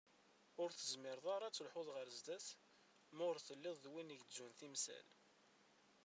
Ur tezmireḍ ara ad telḥuḍ ɣer sdat, ma ur telliḍ d win igezzun timsal.